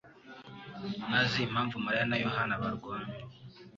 ntazi impamvu Mariya na Yohana barwana.